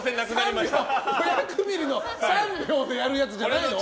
５００ミリの３秒でやるやつじゃないの？